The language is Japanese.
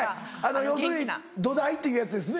要するに土台というやつですね。